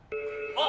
あ。